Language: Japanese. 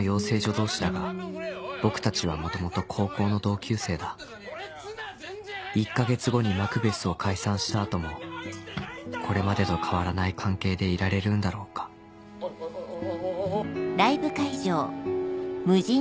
同士だが僕たちは元々高校の同級生だ１か月後にマクベスを解散した後もこれまでと変わらない関係でいられるんだろうかおいおいおい。